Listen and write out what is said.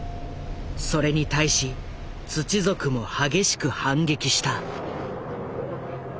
それに対しツチ族も激しく反撃した。